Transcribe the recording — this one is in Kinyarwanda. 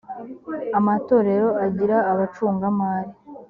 amatorero agira abacungamari.